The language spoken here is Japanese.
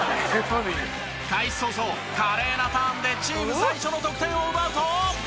開始早々華麗なターンでチーム最初の得点を奪うと。